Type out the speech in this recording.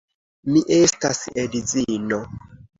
Mi estas edzino.